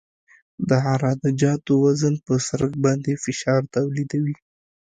د عراده جاتو وزن په سرک باندې فشار تولیدوي